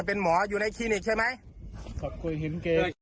พูดความจริง